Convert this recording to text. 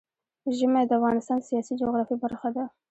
ژمی د افغانستان د سیاسي جغرافیه برخه ده.